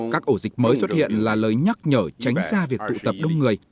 các ổ dịch mới xuất hiện là lời nhắc nhở tránh xa việc tụ tập đông người